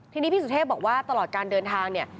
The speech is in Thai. ทีนี้พี่สุเทพบอกว่าตลอดการเดินทางเนี่ย